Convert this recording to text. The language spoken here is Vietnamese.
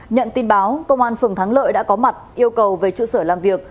nhận tin báo công an phường thắng lợi đã có mặt yêu cầu về trụ sở làm việc